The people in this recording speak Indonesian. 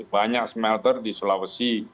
banyak smelter di sulawesi